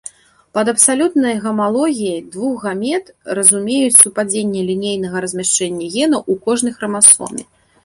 Пад абсалютнай гамалогіяй двух гамет разумеюць супадзенне лінейнага размяшчэння генаў у кожнай храмасоме.